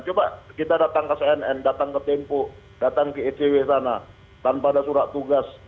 coba kita datang ke cnn datang ke tempo datang ke icw sana tanpa ada surat tugas